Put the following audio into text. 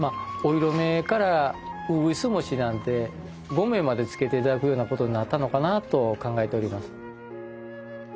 お色目からうぐいす餅なんて御銘まで付けて頂くようなことになったのかなと考えております。